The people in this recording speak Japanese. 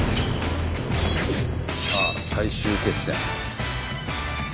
さあ最終決戦。